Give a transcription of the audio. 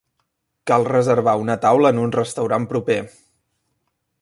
Cal reservar una taula en un restaurant proper.